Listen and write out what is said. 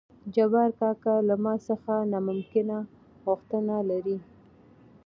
جبار کاکا له ما څخه نامکنه غوښتنه لري.